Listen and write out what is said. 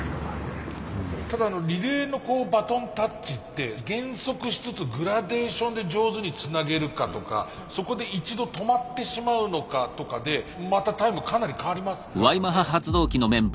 ただリレーのバトンタッチって減速しつつグラデーションで上手につなげるかとかそこで一度止まってしまうのかとかでまたタイムかなり変わりますからね。